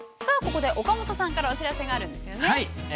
ここで、岡本さんからお知らせがあるんですよね。